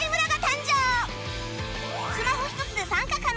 スマホ１つで参加可能